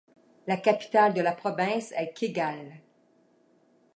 La capitale de la province est Kegalle.